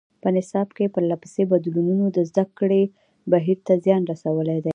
په نصاب کې پرله پسې بدلونونو د زده کړې بهیر ته زیان رسولی دی.